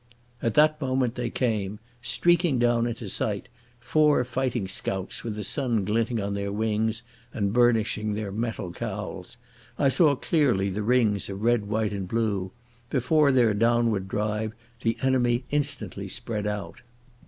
At that moment they came, streaking down into sight, four fighting scouts with the sun glinting on their wings and burnishing their metal cowls. I saw clearly the rings of red, white, and blue. Before their downward drive the enemy instantly spread out.